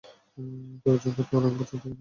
কয়েকজনকে তো অনেক বছর ধরে দেখিনি।